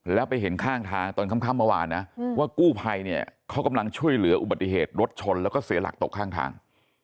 แล้วไปเห็นข้างทางตอนค่ำเมื่อวานนะว่ากู้ภัยเนี่ยเขากำลังช่วยเหลืออุบัติเหตุรถชนแล้วก็เสียหลักตกข้างทาง